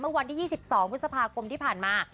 วันที่๒๒พฤษภาคมที่ผ่านมา